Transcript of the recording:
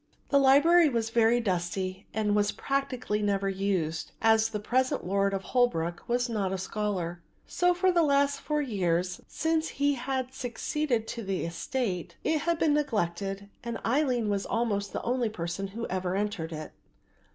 The library was very dusty and was practically never used, as the present lord of Holwick was not a scholar; so for the last four years since he had succeeded to the estate it had been neglected and Aline was almost the only person who ever entered it.